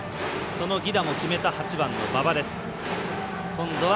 犠打も決めた８番の馬場です。